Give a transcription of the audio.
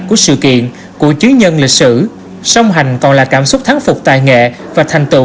của sự kiện của chứ nhân lịch sử song hành còn là cảm xúc thắng phục tài nghệ và thành tựu